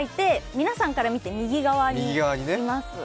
皆さんから見て右側にいます。